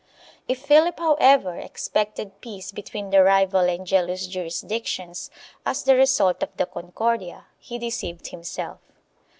3 If Philip, however, expected peace between the rival and jealous jurisdictions, as the result of the Concordia, he deceived himself.